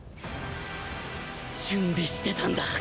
準備してたんだ。